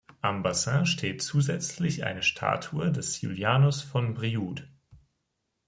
Am Bassin steht zusätzlich eine Statue des Julianus von Brioude.